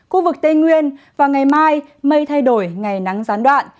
khu vực tây nguyên và ngày mai mây thay đổi ngày nắng gián đoạn